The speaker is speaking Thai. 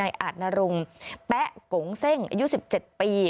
อาจนรงแป๊ะโกงเซ่งอายุ๑๗ปี